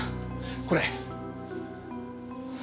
これ。